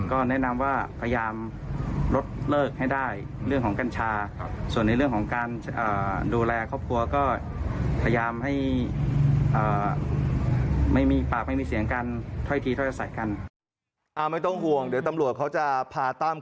ก็แนะนำว่าพยายามรดเลิกให้ได้เรื่องของกั้นชา